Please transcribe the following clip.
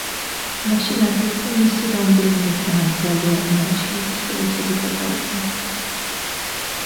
მაშინ აგრეთვე მისი რამდენიმე თანამგზავრი აღმოაჩინა და სურათები გადაუღო.